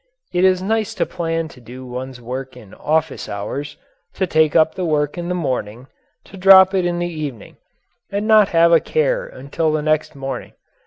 It is nice to plan to do one's work in office hours, to take up the work in the morning, to drop it in the evening and not have a care until the next morning.